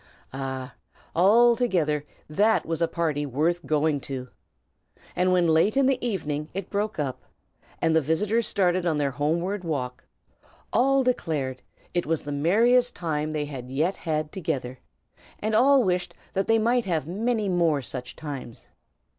Ah! altogether that was a party worth going to. And when late in the evening it broke up, and the visitors started on their homeward walk, all declared it was the merriest time they had yet had together, and all wished that they might have many more such times.